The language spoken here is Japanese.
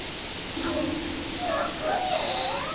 ひゃ１００ねん！？